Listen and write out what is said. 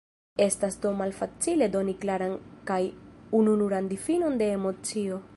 Estas do malfacile doni klaran kaj ununuran difinon de emocio.